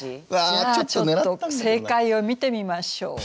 じゃあちょっと正解を見てみましょう。